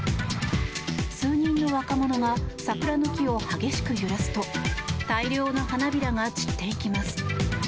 数人の若者が桜の木を激しく揺らすと大量の花びらが散っていきます。